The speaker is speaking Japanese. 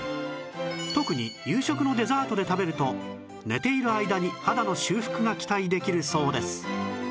特に夕食のデザートで食べると寝ている間に肌の修復が期待できるそうです